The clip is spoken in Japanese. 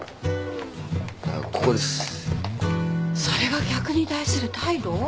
それが客に対する態度？